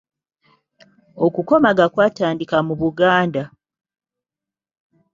Okukomaga kwatandika mu Buganda.